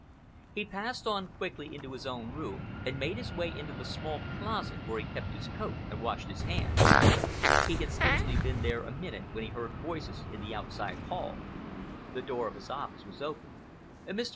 He passed on quickly into his own room and made his way into the small closet where he kept his coat and washed his hands. He had scarcely been there a minute when he heard voices in the outside hall. The door of his office was opened. "Mr.